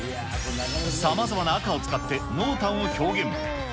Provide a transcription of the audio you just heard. さまざまな赤を使って濃淡を表現。